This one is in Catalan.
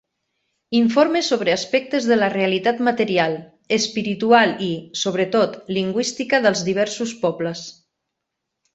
Informe sobre aspectes de la realitat material, espiritual i, sobretot, lingüística dels diversos pobles.